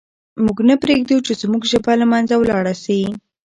موږ نه پرېږدو چې زموږ ژبه له منځه ولاړه سي.